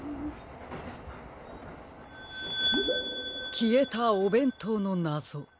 きえたおべんとうのなぞ。